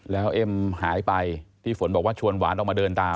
แล้วเอ็มหายไปพี่ฝนบอกว่าชวนหวานออกมาเดินตาม